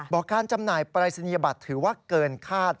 การจำหน่ายปรายศนียบัตรถือว่าเกินคาด